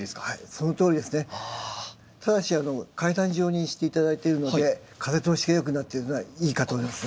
ただし階段状にして頂いてるので風通しが良くなってるのはいいかと思いますね。